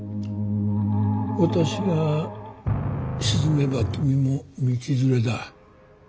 私が沈めば君も道連れだ。